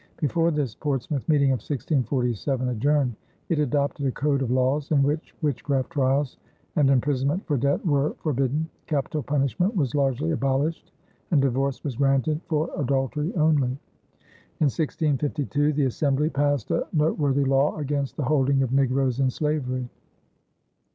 Before this Portsmouth meeting of 1647 adjourned, it adopted a code of laws in which witchcraft trials and imprisonment for debt were forbidden, capital punishment was largely abolished, and divorce was granted for adultery only. In 1652, the assembly passed a noteworthy law against the holding of negroes in slavery.